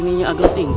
apakah ini agak tinggi